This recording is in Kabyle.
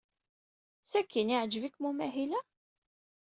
Sakkin yeɛjeb-ikem umahil-a?